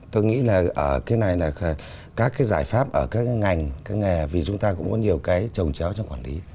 tôi nghĩ là ở cái này là các cái giải pháp ở các cái ngành các nghề vì chúng ta cũng có nhiều cái trồng chéo trong quản lý